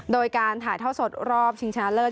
โดยการถ่ายท่อสดรอบชิงชนะเลิศ